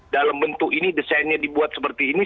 dalam bentuk ini desainnya dibuat seperti ini